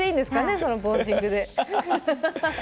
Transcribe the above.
そのポージングで。